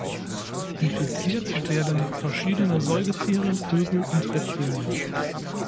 Infiziert werden verschiedene Säugetiere, Vögel und Reptilien.